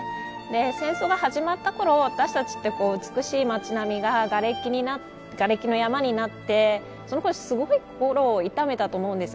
戦争が始まったころ、私たちは美しい町並みががれきの山になってすごく心を痛めたと思います。